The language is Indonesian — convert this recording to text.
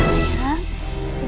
ya allah bagaimana ini